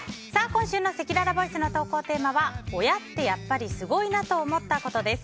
今週のせきららボイスの投稿テーマは親ってやっぱりすごいなと思ったことです。